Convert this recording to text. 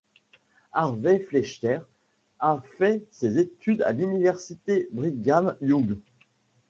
Harvey Fletcher a fait ses études à l'université Brigham Young.